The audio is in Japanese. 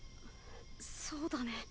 そうだね。